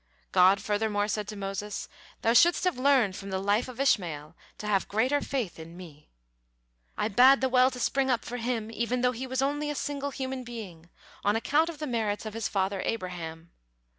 God furthermore said to Moses: "Thou shouldst have learned from the life of Ishmael to have greater faith in Me; I bade the well to spring up for him, even though he was only a single human being, on account of the merits of his father Abraham.